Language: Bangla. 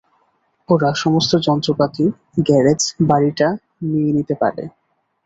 ওরা সমস্ত যন্ত্রপাতি, গ্যারেজ, বাড়িটা নিয়ে নিতে পারে।